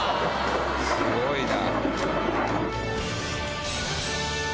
すごいな！